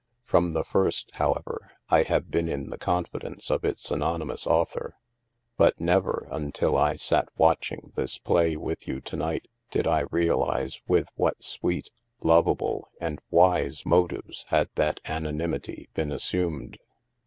From the first, however, I have been in the confidence of its anonymous author ; but never, until I sat watching this play with you to night, did I realize with what sweet, lovable, and wise motives had that anonymity been assumed."